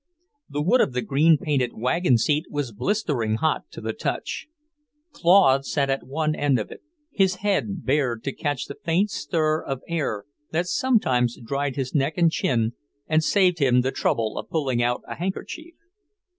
The wood of the green painted wagon seat was blistering hot to the touch. Claude sat at one end of it, his head bared to catch the faint stir of air that sometimes dried his neck and chin and saved him the trouble of pulling out a handkerchief.